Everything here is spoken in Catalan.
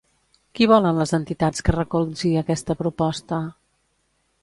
Qui volen les entitats que recolzi aquesta proposta?